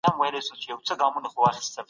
د سترګو تور مي د ايستو لایق دي